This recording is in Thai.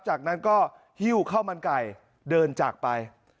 จากนั้นก็หิ้วข้าวมันไก่เดินจากไป